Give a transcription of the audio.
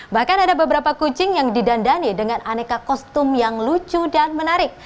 bahkan ada beberapa kucing yang didandani dengan aneka kostum yang lucu dan menarik